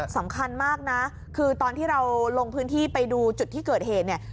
สำคัญมากนะคือตอนที่เราลงพื้นที่ไปดูจุดที่เกิดเหตุเนี่ย